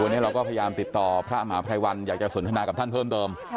วันนี้เราก็พยายามติดต่อพระมหาภัยวันอยากจะสนทนากับท่านเพิ่มเติม